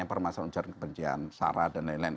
yang permasalahan ujaran kebencian sara dan lain lain